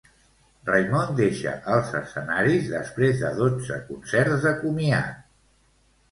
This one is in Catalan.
Raimon deixa els escenaris després de dotze concerts de comiat.